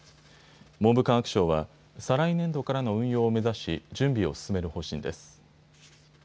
文部科学省は再来年度からの運用を目指し、準備を進める方針です。